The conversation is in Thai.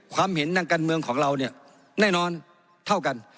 ความเห็นทางการเมืองของเราเนี่ยแน่นอนเท่ากัน